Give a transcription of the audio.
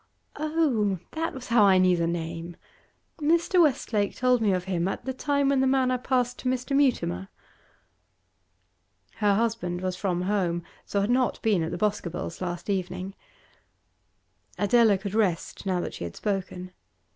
'Oh, that was how I knew the name. Mr. Westlake told me of him, at the time when the Manor passed to Mr. Mutimer.' Her husband was from home, so had not been at the Boscobels' last evening. Adela could rest now that she had spoken.